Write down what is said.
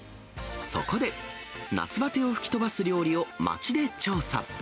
そこで、夏バテを吹き飛ばす料理を街で調査。